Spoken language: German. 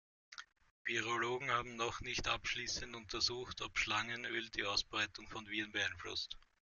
Virologen haben noch nicht abschließend untersucht, ob Schlangenöl die Ausbreitung von Viren beeinflusst.